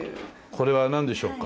これはなんでしょうか？